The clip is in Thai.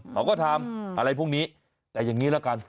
เขาก็ทำอะไรพวกนี้แต่อย่างนี้ละกัน